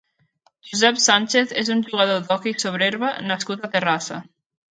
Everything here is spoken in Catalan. Josep Sánchez és un jugador d'hoquei sobre herba nascut a Terrassa.